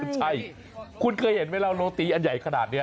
ใช่คุณเคยเห็นไหมเราโรตีอันใหญ่ขนาดนี้